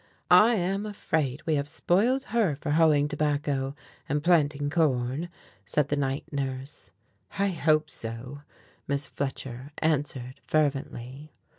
"I am afraid we have spoiled her for hoeing tobacco, and planting corn," said the night nurse. "I hope so," Miss Fletcher answered fervently.